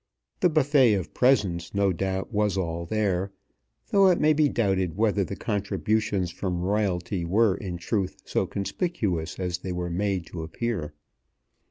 The buffet of presents no doubt was all there; though it may be doubted whether the contributions from Royalty were in truth so conspicuous as they were made to appear.